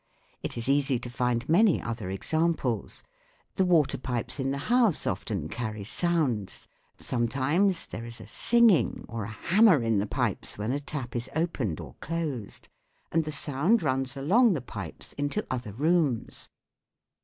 It is easy to find many other examples. The water pipes in the house often carry sounds. Sometimes there is a " singing " or a " hammer " in the pipes when a tap is opened or closed ; and the sound runs along the pipes WHAT IS SOUND? 7 into other rooms.